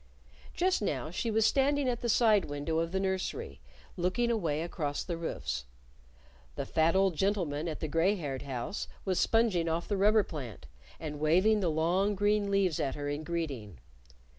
Just now she was standing at the side window of the nursery looking away across the roofs. The fat old gentleman at the gray haired house was sponging off the rubber plant, and waving the long green leaves at her in greeting.